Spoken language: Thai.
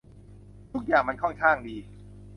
ทุกอย่างมันค่อนข้างดี